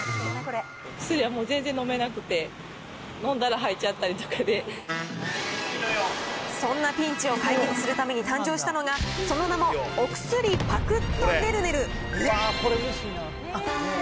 薬はもう全然飲めなくて、そんなピンチを解決するために誕生したのが、その名も、おくすりパクッとねるねる。